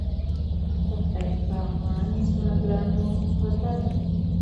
د خدای په امان زما ګرانه وطنه😞